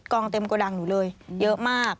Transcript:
กองเต็มกว่าดังอยู่เลยเยอะมาก